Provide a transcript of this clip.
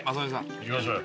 いきましょうよ。